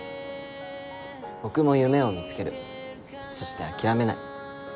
僕も夢を見つけるそして諦めない。